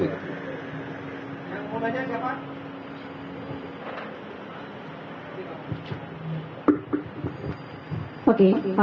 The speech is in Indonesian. yang mau baca siapa